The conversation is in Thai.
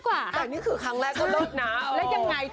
กับเพลงที่มีชื่อว่ากี่รอบก็ได้